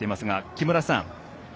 木村さん